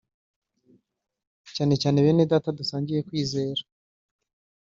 cyane cyane benedata dusangiye kwizera